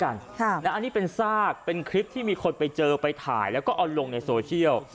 อันนี้เป็นซากเป็นคลิปที่มีคนไปเจอไปถ่ายแล้วก็เอาลงในโซเชียล